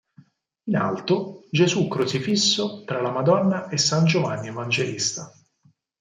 In alto, "Gesù crocifisso tra la Madonna e san Giovanni Evangelista".